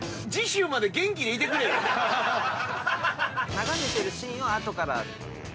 眺めてるシーンを後から。